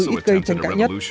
ít gây tranh cãi nhất